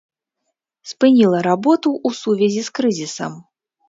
Спыніла работу ў сувязі з крызісам.